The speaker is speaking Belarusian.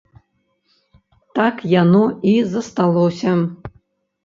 Так яно і засталося.